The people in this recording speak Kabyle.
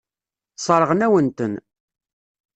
Sseṛɣeɣ-awen-ten.